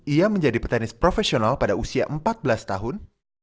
ia menjadi petenis profesional pada usia empat belas tahun